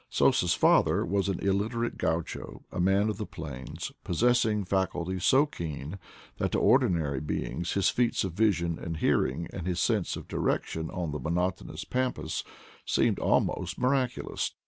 Sosa's father was an illiterate gaucho — a man of the plains — possessing faculties so keen that to ordinary beings his feats of vision and hearing, and his s^nse of direction on the monotonous pampas, seemed almost miraculous.